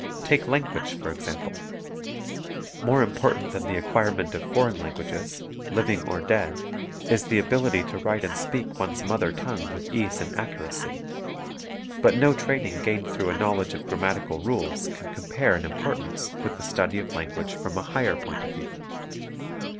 Take language, for example. More important than the acquirement of foreign lan guages, living or dead, is the ability to write and speak one's mother tongue with ease and accuracy; but no training gained through a knowledge of grammatical rules can compare in importance with the study of lan guage from a higher point of view.